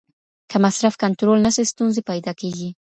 که مصرف کنټرول نسي ستونزي پیدا کیږي.